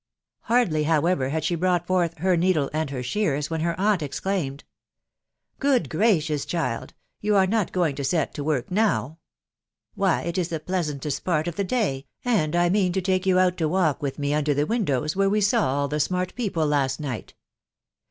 Hardly, however, had she brought forth " her needle and her shears/' when her aunt exclaimed, —" Good gracious, child !.... you are not going to set to work now? .••• Why, it is the pleasantest part of the day, * and I mean to take you out to walk with me under the win dows where we saw all the smart people last night.